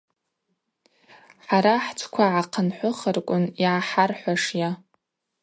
Хӏара хӏчӏвква гӏахъынхӏвыхырквын, йгӏахӏархӏвашйа?